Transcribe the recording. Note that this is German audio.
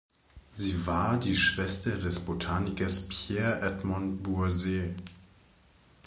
Sie war die Schwester des Botanikers Pierre Edmond Boissier.